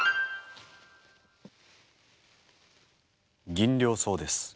ギンリョウソウです。